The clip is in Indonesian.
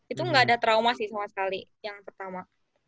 itu nggak ada trauma sih sama sekali yang pertama